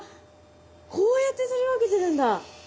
こうやって取り分けてるんだ。